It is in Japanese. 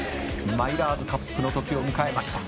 「マイラーズカップのときを迎えました」